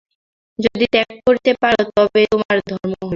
যদি ত্যাগ করিতে পার, তবেই তোমার ধর্ম হইবে।